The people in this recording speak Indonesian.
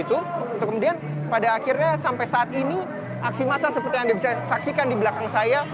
untuk kemudian pada akhirnya sampai saat ini aksi massa seperti yang anda bisa saksikan di belakang saya